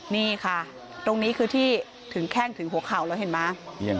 นี่ค่ะตรงนี้คือที่ถึงแข้งถึงหัวเข่าแล้วเห็นไหม